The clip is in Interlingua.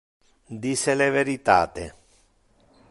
Dice le veritate.